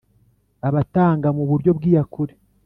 abatanga mu buryo bw’iyakure